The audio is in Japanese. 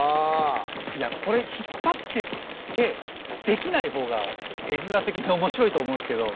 いやこれ引っぱってってできないほうが絵づらてきにおもしろいと思うんですけど。